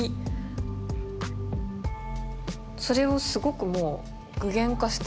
それをすごくもう具現化して。